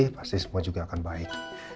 pasti semua juga akan baik